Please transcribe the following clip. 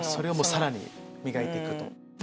さらに磨いて行く。